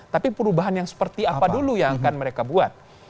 tapi perubahan yang seperti apa dulu yang akan mereka buat